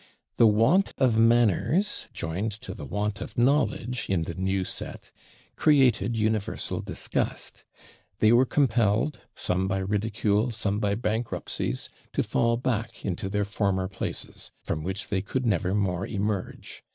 The want of manners, joined to the want of knowledge in the new set, created universal disgust: they were compelled, some by ridicule, some by bankruptcies, to fall back into their former places, from which they could never more emerge.